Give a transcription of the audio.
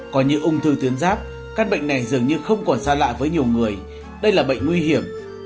có những ung thư tuyến giáp các bệnh này dường như không còn xa lạ với nhiều người đây là bệnh nguy hiểm